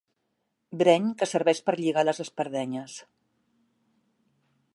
Breny que serveix per lligar les espardenyes.